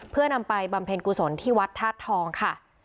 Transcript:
เพื่อนำไปบำเพ็ญกุศลที่วัดธาตุทองค่ะ